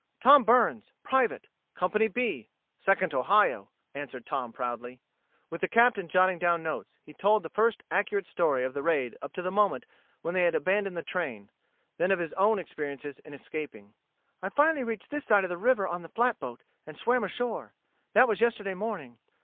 "Tom Burns, private, Company B, Second Ohio," answered Tom proudly. With the Captain jotting down notes, he told the first accurate story of the raid up to the moment when they had abandoned the train; then of his own experiences in escaping. "I finally reached this side of the river on the flatboat, and swam ashore. That was yesterday morning.